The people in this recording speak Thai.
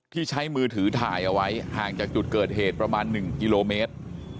ที่ใช้มือถือถ่ายเอาไว้ห่างจากจุดเกิดเหตุประมาณ๑กิโลเมตร